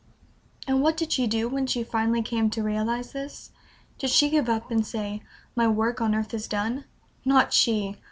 And what did she do when she finally came to realize this? Did she give up, and say, "My work on earth is done?" Not she!